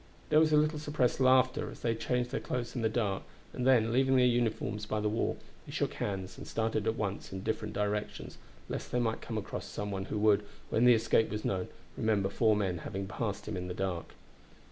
There was a little suppressed laughter as they changed their clothes in the dark; and then, leaving their uniforms by the wall, they shook hands and started at once in different directions, lest they might come across some one who would, when the escape was known, remember four men having passed him in the dark.